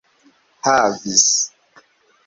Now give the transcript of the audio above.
havis